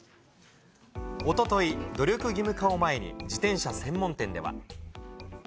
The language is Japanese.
おととい、努力義務化を前に、自転車専門店では。